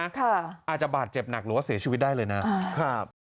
อาจจะบาดเจ็บหนักหรือว่าเสียชีวิตได้เลยนะครับ